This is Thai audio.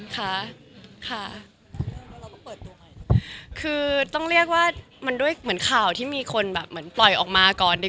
ถ้าเราก็ต้องเรียกว่ามันด้วยข่าวที่มีคนแบบมันปล่อยออกมาก่อนก่อน